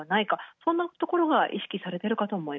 そんなところが意識されているかと。